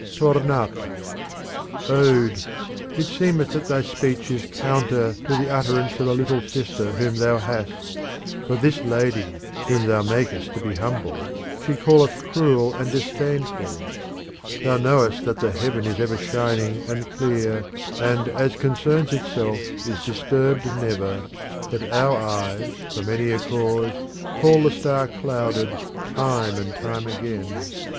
Tornata Ode ! it seemeth that thy speech is counter to the utterance of a little sister whom thou hast ; for this lady whom thou makest to be humble, she calleth cruel and disdainful. Thou knowest that the heaven is ever shining and clear, and as concerns itself is disturbed never ; but our eyes, for many a cause, call the star clouded, time and time again, IS '"!